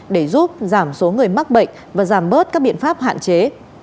để giúp giảm số người mắc bệnh và giảm bớt các biện pháp hạn chế